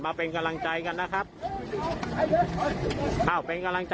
อ้าวสาธุผ่านแล้วครับผ่านแล้วครับ